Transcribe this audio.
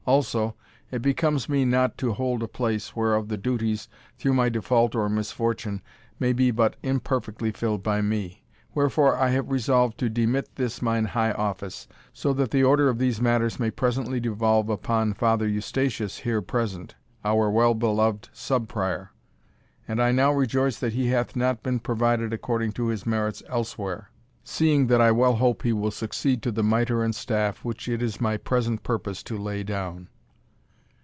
Also, it becomes me not to hold a place, whereof the duties, through my default or misfortune, may be but imperfectly filled by me. Wherefore I have resolved to demit this mine high office, so that the order of these matters may presently devolve upon Father Eustatius here present, our well beloved Sub Prior; and I now rejoice that he hath not been provided according to his merits elsewhere, seeing that I well hope he will succeed to the mitre and staff which it is my present purpose to lay down."